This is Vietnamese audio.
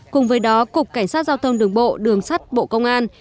cùng với đó cục cảnh sát giao thông đường bộ đường sắt bộ công an